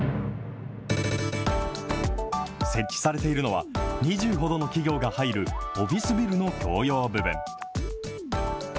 設置されているのは、２０ほどの企業が入る、オフィスビルの共用部分。